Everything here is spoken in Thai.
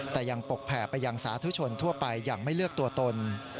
แต่ยังปกแผ่ไปยังสาธุชนทั่วไปอย่างไม่เลือกตัวตน